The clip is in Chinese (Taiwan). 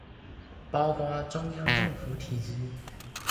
包括中央政府體制